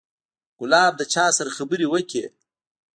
ګلاب له چا سره خبرې وکړې.